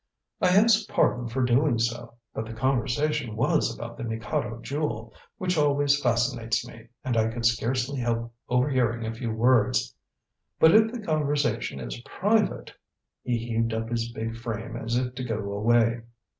"I ask pardon for doing so. But the conversation was about the Mikado Jewel, which always fascinates me, and I could scarcely help overhearing a few words. But if the conversation is private " He heaved up his big frame as if to go away.